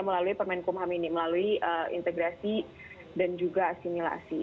melalui permen kumham ini melalui integrasi dan juga asimilasi